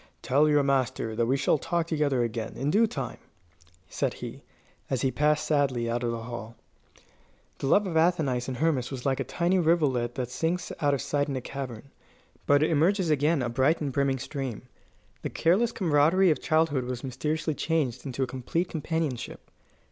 "Tell your master that we shall talk together again, in due time," said he, as he passed sadly out of the hall. The love of Athenais and Hermas was like a tiny rivulet that sinks out of sight in a cavern, but emerges again a bright and brimming stream. The careless comradery of childhood was mysteriously changed into a complete companionship.